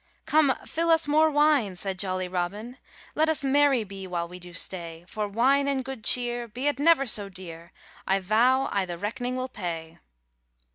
RAINBOW GOLD ' Come fill us more wine, ' said jolly Robin, ' Let us merry be while we do stay ; For wine and good cheer, be it never so dear, I vow I the reckning will pay.